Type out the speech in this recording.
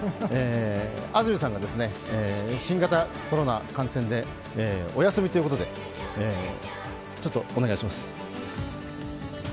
安住さんが新型コロナ感染でお休みということで、ちょっとお願いします。